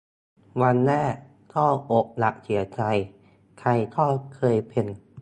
วันแรก ก็อกหัก เสียใจ ใครก็เคยเป็น